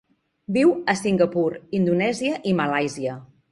Viu a Singapur, Indonèsia i Malàisia.